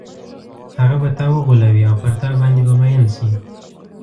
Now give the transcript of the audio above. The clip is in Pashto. هغه به تا وغولوي او پر تا باندې به مئین شي.